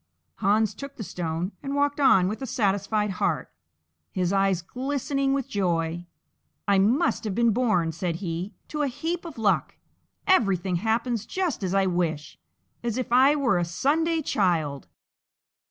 Hans took the stone and walked on with a satisfied heart, his eyes glistening with joy. "I must have been born," said he, "to a heap of luck; everything happens just as I wish, as if I were a Sunday child."